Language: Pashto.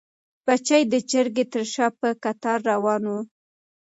بچي د چرګې تر شا په کتار روان وو.